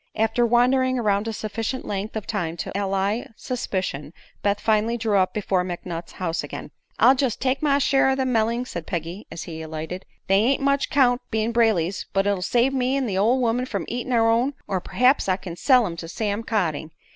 After wandering around a sufficient length of time to allay suspicion, Beth finally drew up before McNutt's house again. "I'll jest take my share o' them mellings," said Peggy, as he alighted. "They ain't much 'count, bein' Brayley's; but it'll save me an' the ol' woman from eatin' our own, or perhaps I kin sell 'em to Sam Cotting."